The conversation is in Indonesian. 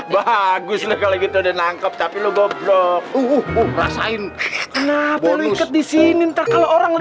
bagus nih kalau gitu udah nangkep tapi lu goblok rasain kenapa lu ikat disini ntar kalau orang